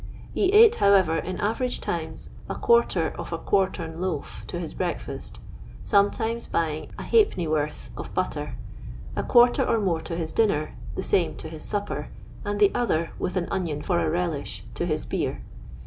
He ate, however, in average times, a quarter of a quartern loaf to has breakfast (sometimes buying a halfpennyworth o^ butter), a quarter or more to his dinner, the same to his supper, and the other, with an onion for a relish, to his beer.